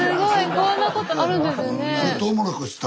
こんなことあるんですよね。